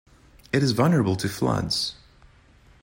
It is vulnerable to floods.